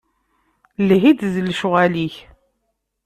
Lhi-d d lecɣal-ik.